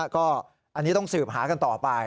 ก็อันนี้ต้องสืบหากันต่อไป